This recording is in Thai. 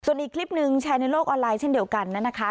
ส่วนอีกคลิปหนึ่งแชร์ในโลกออนไลน์เช่นเดียวกันนะคะ